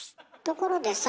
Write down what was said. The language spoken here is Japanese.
ところでさ